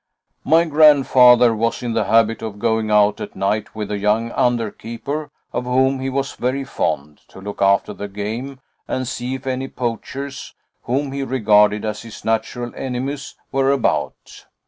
My grandfather was in the habit of going out at night with a young under keeper, of whom he was very fond, to look after the game and see if any poachers, whom he regarded as his natural enemies, were about.